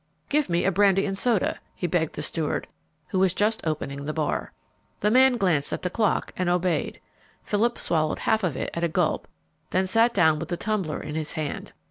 "Give me a brandy and soda," he begged the steward, who was just opening the bar. The man glanced at the clock and obeyed. Philip swallowed half of it at a gulp, then sat down with the tumbler in his hand.